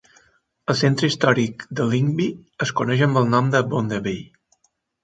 El centre històric de Lingby es coneix amb el nom de Bondebyen.